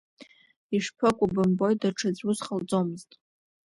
Ишԥыкәу, бымбои, даҽаӡә ус ҟалҵомызт.